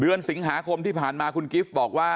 เดือนสิงหาคมที่ผ่านมาคุณกิฟต์บอกว่า